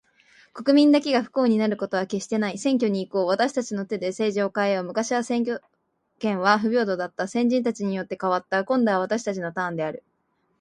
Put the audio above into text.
国民だけが不幸になることは決してない。選挙に行こう。私達の手で政治を変えよう。昔は選挙権は不平等だった。先人たちによって、変わった。今度は私達のターンである。